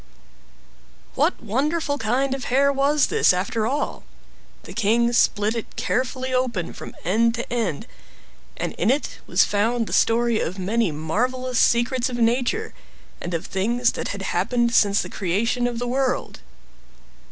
What wonderful kind of hair was this after all? The king split it carefully open from end to end, and in it was found the story of many marvelous secrets of nature, and of things that had happened since the creation of the world.